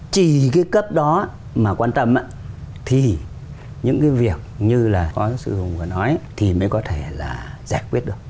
chỉ cái cấp đó mà quan tâm thì những cái việc như là có sự hùng vừa nói thì mới có thể là giải quyết được